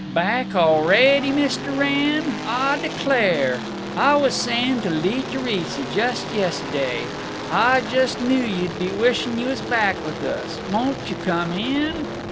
"Back already, Mist' Wrenn? Ah declare, Ah was saying to Lee Theresa just yest'day, Ah just knew you'd be wishing you was back with us. Won't you come in?"